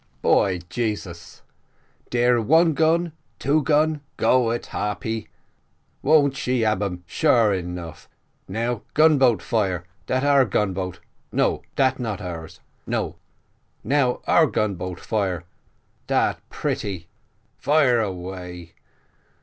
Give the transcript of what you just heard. "By Jasus, dare one gun two gun go it, Harpy. Won't she ab um, sure enough. Now gun boat fire dat our gun boat no, dat not ours. Now our gun boat fire dat pretty fire away.